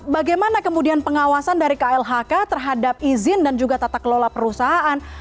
bagaimana kemudian pengawasan dari klhk terhadap izin dan juga tata kelola perusahaan